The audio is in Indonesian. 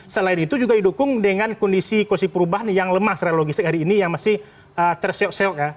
selain itu juga didukung dengan kondisi kursi perubahan yang lemah secara logistik hari ini yang masih terseok seok ya